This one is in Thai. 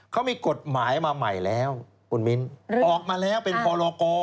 มันมีกฎหมายมาใหม่แล้วออกมาแล้วเป็นพอลอกร